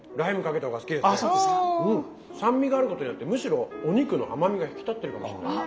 酸味があることによってむしろお肉の甘みが引き立ってるかもしれない。